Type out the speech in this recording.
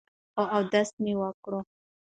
خو اودس مې وکړو ـ